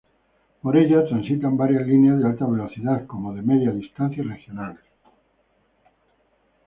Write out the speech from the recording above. Por ella transitan varias líneas de alta velocidad, como de media distancia y regionales.